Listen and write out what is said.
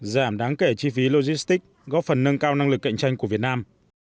giảm đáng kể chi phí logistics góp phần nâng cao năng lực cạnh tranh của việt nam